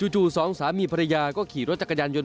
จู่สองสามีภรรยาก็ขี่รถจักรยานยนต